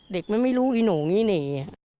เด็กมันไม่รู้อีโหนงี้เนี่ย